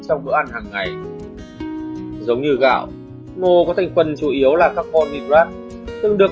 trong bữa ăn hàng ngày giống như gạo ngô có thành quần chủ yếu là carbon hydrate từng được